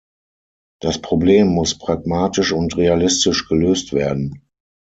Das Problem muss pragmatisch und realistisch gelöst werden.